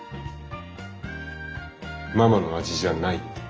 ママの味じゃないって。